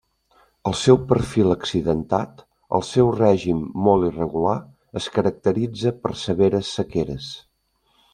El seu perfil accidentat, el seu règim molt irregular, es caracteritza per severes sequeres.